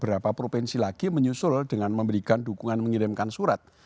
beberapa provinsi lagi menyusul dengan memberikan dukungan mengirimkan surat